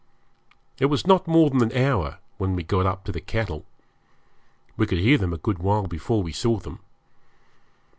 It was not more than an hour when we got up to the cattle. We could hear them a good while before we saw them.